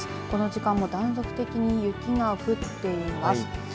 この時間も断続的に雪が降っています。